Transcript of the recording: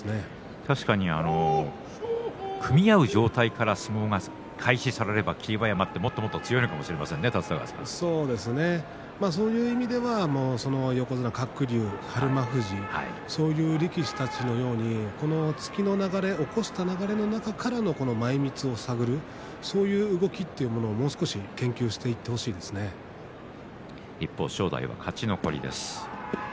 確かに組み合う状態から相撲が開始されれば霧馬山、もともと強いのかもそういう意味では横綱鶴竜、日馬富士そういう力士たちの突きの流れ、起こした流れの中からの前みつを探るそういう越しというのは正代は勝ち残りです。